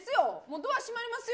ドア閉まりますよ。